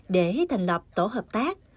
để thành lập tổ hợp tác